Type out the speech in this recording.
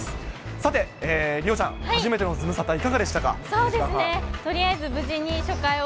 さて、梨央ちゃん、初めてのズムサタ、いかがでしたか、２時間半。